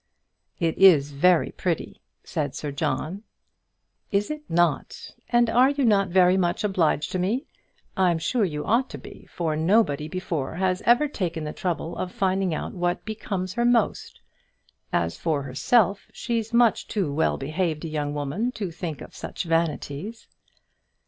"It is very pretty," said Sir John. "Is it not? And are you not very much obliged to me? I'm sure you ought to be, for nobody before has ever taken the trouble of finding out what becomes her most. As for herself, she's much too well behaved a young woman to think of such vanities."